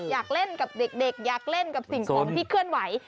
อยากเล่นกับเด็กอยากเล่นกับสิ่งของที่เคลื่อนไหว